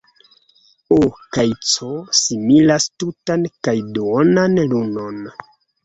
O. kaj C. similas tutan kaj duonan lunon.